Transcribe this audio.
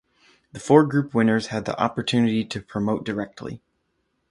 The four group winners had the opportunity to promote directly.